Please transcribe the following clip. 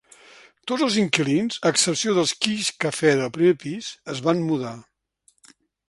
Tots els inquilins, a excepció del Keys Café del primer pis, es van mudar.